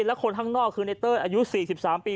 และคนข้างนอกคือเน็ตเติร์นอายุ๔๓ปี